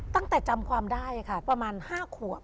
จำความได้ค่ะประมาณ๕ขวบ